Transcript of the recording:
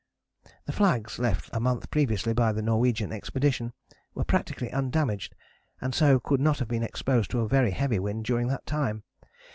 "The flags left a month previously by the Norwegian expedition were practically undamaged and so could not have been exposed to very heavy wind during that time.